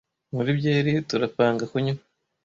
muri byeri turapanga kunywa